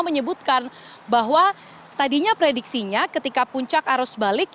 menyebutkan bahwa tadinya prediksinya ketika puncak arus balik